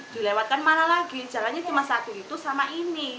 dilewatkan mana lagi jalannya cuma satu itu sama ini